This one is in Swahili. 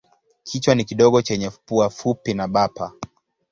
Kichwa ni kidogo chenye pua fupi na bapa.